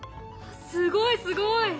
すごいすごい！